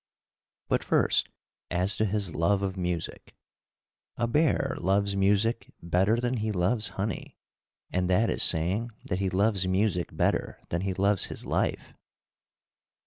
But first as to his love of music. A bear loves music better than he loves honey, and that is saying that he loves music better than he loves his life.